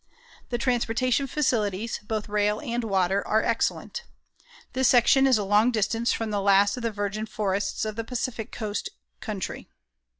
The transportation facilities, both rail and water, are excellent. This section is a long distance from the last of the virgin forests of the Pacific Coast country.